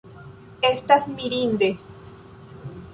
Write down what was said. Estas mirinde.